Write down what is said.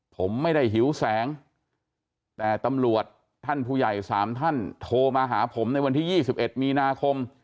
ผมไม่ได้หิวแสงแต่ตำรวจท่านผู้ใหญ่๓ท่านโทรมาหาผมในวันที่๒๑มีนาคม